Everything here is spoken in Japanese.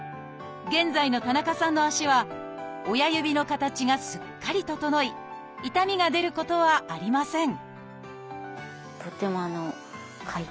現在の田中さんの足は親指の形がすっかり整い痛みが出ることはありません